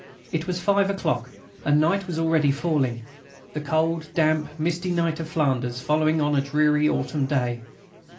It was five o'clock, and night was already falling, the cold, damp, misty night of Flanders following on a dreary autumn day.